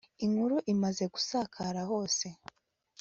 inkuru imaze gusakara hose